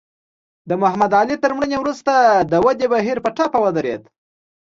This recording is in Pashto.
د محمد علي تر مړینې وروسته د ودې بهیر په ټپه ودرېد.